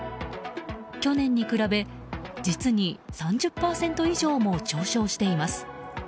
去年に比べ、実に３０％以上も上昇しています。